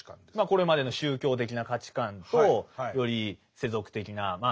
これまでの宗教的な価値観とより世俗的なまあ